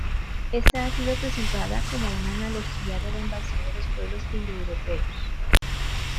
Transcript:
Esta ha sido presentada como una analogía de la invasión de los pueblos indoeuropeos.